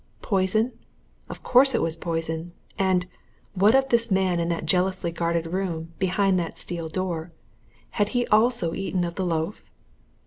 Poison? Of course it was poison! And what of this man in that jealously guarded room, behind that steel door? Had he also eaten of the loaf?